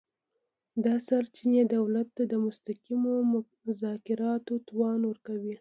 دا سرچینې دولت ته د مستقیمو مذاکراتو توان ورکوي